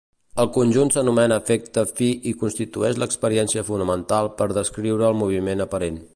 El conjunt s'anomena efecte fi i constitueix l'experiència fonamental per descriure el moviment aparent.